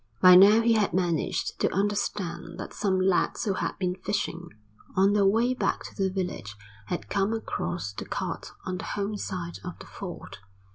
By now he had managed to understand that some lads who had been fishing, on their way back to their village had come across the cart on the home side of the ford.